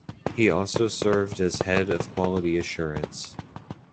He also served as Head of Quality Assurance.